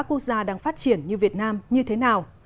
các quốc gia đang phát triển như việt nam như thế nào